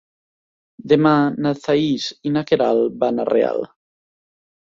Demà na Thaís i na Queralt van a Real.